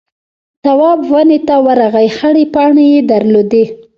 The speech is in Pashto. تواب ونې ته ورغئ خړې پاڼې يې درلودې.